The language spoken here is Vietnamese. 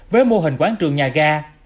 với mô hình quán trường nhà ga